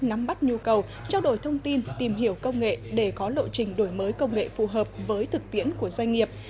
nắm bắt nhu cầu trao đổi thông tin tìm hiểu công nghệ để có lộ trình đổi mới công nghệ phù hợp với thực tiễn của doanh nghiệp